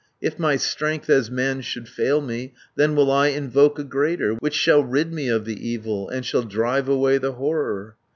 "If my strength as man should fail me, Then will I invoke a greater, Which shall rid me of the evil, And shall drive away the horror.